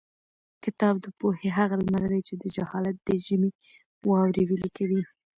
کتاب د پوهې هغه لمر دی چې د جهالت د ژمي واورې ویلي کوي.